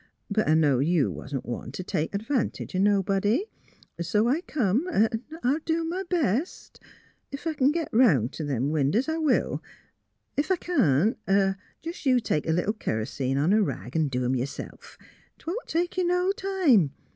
But I knowed you wa'n't one t' take advantage o' nobody; so I come, an' I'll do m' best. Ef I c'n git 'round t' them winders, I will; ef I can't, jus' you take a little kur'seen on a rag 'n' do 'em yourself. 'Twon't take you no time.